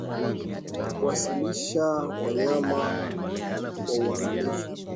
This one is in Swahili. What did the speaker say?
Kuwalisha wanyama kwa uangalifu